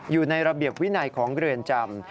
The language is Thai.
อยู่ในระเบียบวินัยของเรือนจำ